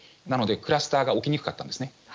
なのでクラスターが起きにくかったんです。